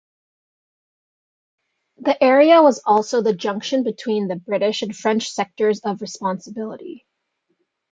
The area was also the junction between the British and French sectors of responsibility.